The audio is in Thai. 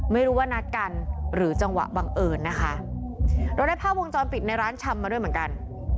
ไม่รู้ว่านัดกันหรือจังหวะบังเอิญนะคะเราได้ภาพวงจรปิดในร้านชำมาด้วยเหมือนกัน